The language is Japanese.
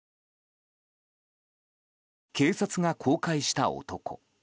警察が公開した男。